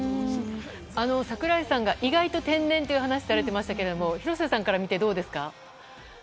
櫻井さんが意外と天然という話をされていましたけど廣瀬さんから見てどうですか？